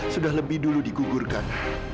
sudah lebih dulu digugurkan